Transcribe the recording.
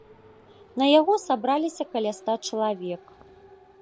На яго сабраліся каля ста чалавек.